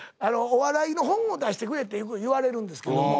お笑いの本を出してくれってよく言われるんですけども。